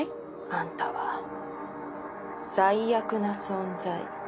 あんたは最悪な存在。